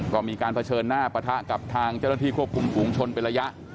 ก็มีการเผชิญหน้าปะทะกับทางเจ้าหน้าที่ควบคุมฝูงชนเป็นระยะ